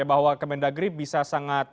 bahwa kemendagri bisa sangat